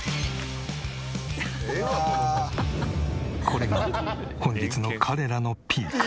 これが本日の彼らのピーク。